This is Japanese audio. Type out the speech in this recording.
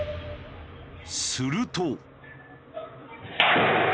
すると。